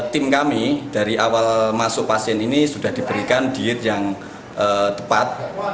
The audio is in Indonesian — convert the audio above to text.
tim kami dari awal masuk pasien ini sudah diberikan diet yang tepat